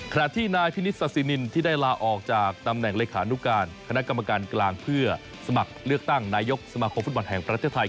ขณะที่นายพินิศาสินินที่ได้ลาออกจากตำแหน่งเลขานุการคณะกรรมการกลางเพื่อสมัครเลือกตั้งนายกสมาคมฟุตบอลแห่งประเทศไทย